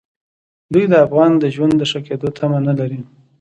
دوی د افغان د ژوند د ښه کېدو تمه نه لري.